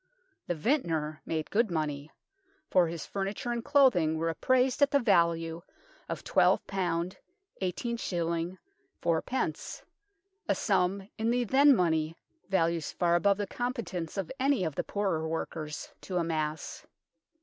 The vintner made good money, for his furniture and clothing were apprised at the value of 12, i8s. 4d., a sum in the then money values far above the competence of any of the poorer workers to amass.